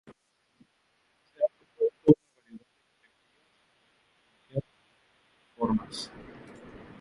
Se ha propuesto una variedad de categorías para diferenciar sus diferentes formas.